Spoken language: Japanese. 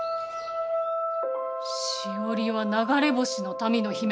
しおりは流れ星の民の姫。